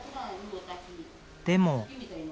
でも。